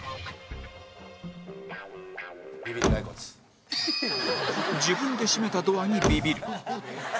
「ビビリガイコツ」自分で閉めたドアにビビる